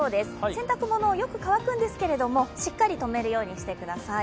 洗濯物、よく乾くんですけれどもしっかり止めるようにしてください。